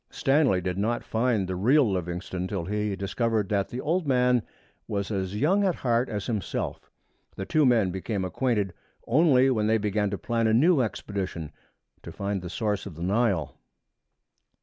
Stanley did not find the real Livingstone till he discovered that the old man was as young at heart as himself. The two men became acquainted only when they began to plan a new expedition to find the source of the Nile.